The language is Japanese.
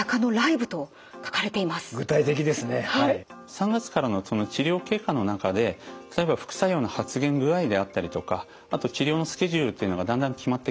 ３月からの治療経過の中で例えば副作用の発現具合であったりとかあと治療のスケジュールっていうのがだんだん決まってきます。